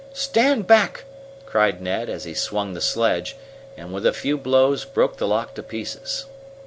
"Stand back!" cried Ned, as he swung the sledge, and with a few blows broke the lock to pieces.